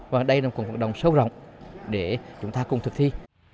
và đây là một cuộc vận động sâu rộng để chúng ta cùng thực thi